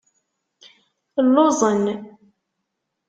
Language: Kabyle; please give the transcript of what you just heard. Lluẓen.